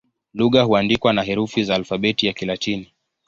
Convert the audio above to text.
Lugha huandikwa na herufi za Alfabeti ya Kilatini.